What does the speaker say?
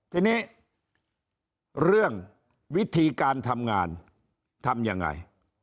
ทีนี้เรื่องวิธีการทำงานทำยังไง